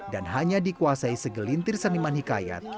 dan hanya dikuasai segelintir seniman hikayat